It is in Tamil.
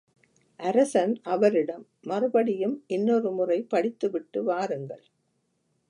அரசன் அவரிடம் மறுபடியும், இன்னொரு முறை படித்துவிட்டு வாருங்கள்.